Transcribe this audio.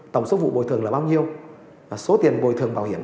tổng số vụ bồi thường là bao nhiêu số tiền bồi thường bảo hiểm